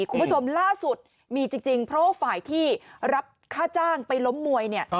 คุณผู้ชมล่าสุดมีจริงเพราะว่าฝ่ายที่รับค่าจ้างไปล้มมวยเนี่ย